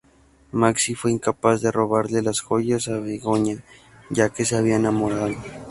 Maxi fue incapaz de robarle las joyas a Begoña ya que se había enamorado.